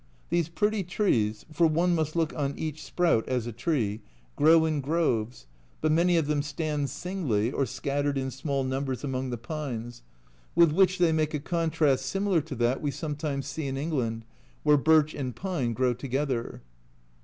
These pretty trees (for one must look on each sprout A Journal from Japan n as a tree) grow in groves, but many of them stand singly, or scattered in small numbers among the pines, with which they make a contrast similar to that we sometimes see in England where birch and pine grow together.